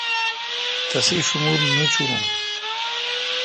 تسے°شمور نچُورِن